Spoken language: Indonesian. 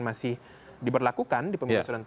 masih diberlakukan di pemimpinan suatu nanti